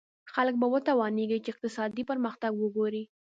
خلک به وتوانېږي چې اقتصادي پرمختګ وګوري.